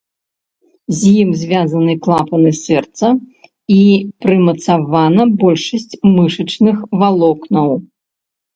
З ім звязаны клапаны сэрца і прымацавана большасць мышачных валокнаў.